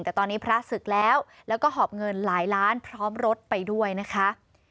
แต่ตอนนี้พระศึกแล้วแล้วก็หอบเงินหลายล้านพร้อมรถไปด้วยนะคะ